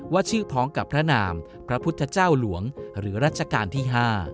ชื่อพ้องกับพระนามพระพุทธเจ้าหลวงหรือรัชกาลที่๕